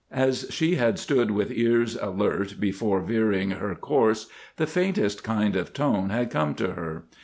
As she had stood with ears alert before veering her course, the faintest kind of tone had come to her.